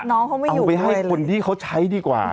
น้องเขาไม่อยู่ไว้เลยเอาไปให้คนที่เขาใช้ดีกว่า